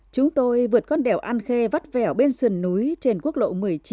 chúng tôi vượt con đèo an khê vắt vẻo bên sườn núi trên quốc lộ một mươi chín